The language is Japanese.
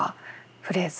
フレーズ